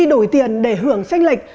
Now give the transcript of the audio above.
đổi tiền để hưởng tranh lệch